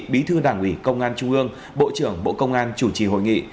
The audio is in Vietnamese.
bí thư đảng ủy công an trung ương bộ trưởng bộ công an chủ trì hội nghị